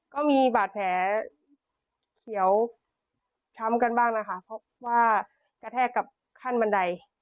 ก็มีบาดแผลเขียวช้ำกันบ้างนะคะเพราะว่ากระแทกกับขั้นบันได